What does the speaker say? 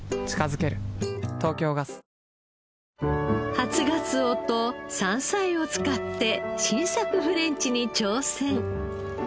初がつおと山菜を使って新作フレンチに挑戦。